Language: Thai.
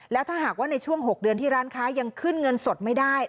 แล้วถ้าหากว่าในช่วง๖เดือนที่ร้านค้ายังขึ้นเงินสดไม่ได้